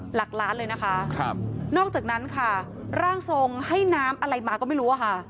หลักล้านเลยนะคะครับนอกจากนั้นค่ะร่างทรงให้น้ำอะไรมาก็ไม่รู้อะค่ะ